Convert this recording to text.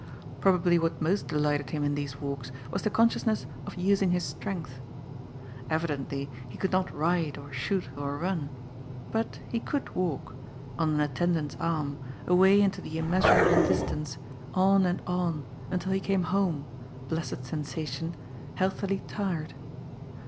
Probably what most delighted him in these walks was the conscious ness of using his strength. Evidently, he could not ride or shoot or run. But he could walk, on an attendant's arm, away into the immeasurable distance, on and on, un til he came home — ^blessed sensation — ^healthily tired.